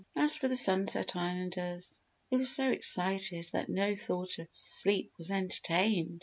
As for the Sunset Islanders: they were so excited that no thought of sleep was entertained.